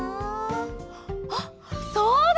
あっそうだ！